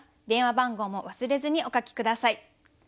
電話番号も忘れずにお書き下さい。